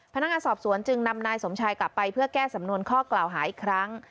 พนักงานสอบสวนจึงนำนายสมชายกลับไปเพื่อแก้สำนวนข้อกล่าวหาอีกครั้ง